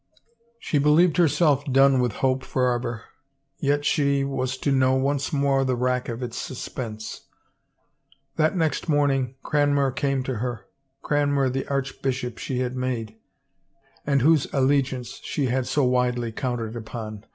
She believed herself done with hope forever, yet she was to know once more the rack of its suspense. That next morning Cranmer came to her, Cranmer the arch bishop she had made, and whose allegiance she had so widely counted upon.